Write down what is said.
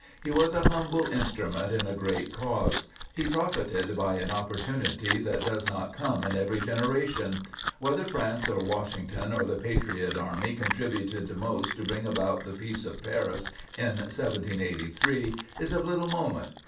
He was a humble in strument in a great cause ; he profited by an opportunity that does not come in every genera tion. Whether France or Washington or the patriot army contributed most to bring about the peace of Paris in 1783 is of little moment.